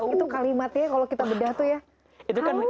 itu kalimat ya kalau kita bedah tuh ya